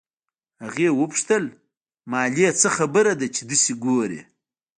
هغې وپوښتل مالې څه خبره ده چې دسې ګورې.